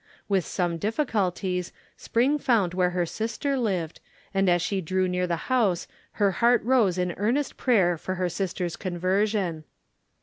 With some difficulties Spring found where her sister lived and as she drew near the house her heart rose in earnest prayer for her sister's conversion.